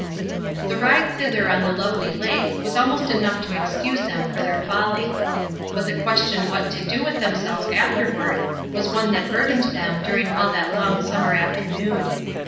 The ride thither on the lovely lake was almost enough to excuse them for their folly. But the question what to do with themselves afterward was one that burdened them during all that long summer afternoon.